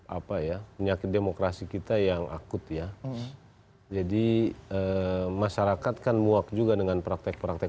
apa ya penyakit demokrasi kita yang akut ya jadi masyarakat kan muak juga dengan praktek praktek